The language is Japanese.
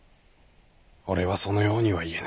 俺はそのようには言えぬ。